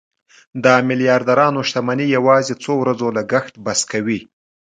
د میلیاردرانو شتمني یوازې څو ورځو لګښت بس کوي.